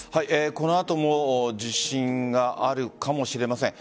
この後も地震があるかもしれません。